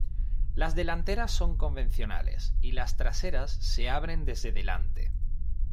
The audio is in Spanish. Las delanteras son convencionales y las traseras se abren desde delante.